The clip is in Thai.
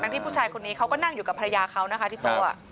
ที่ผู้ชายคนนี้เขาก็นั่งอยู่กับภรรยาเขานะคะที่โต๊ะ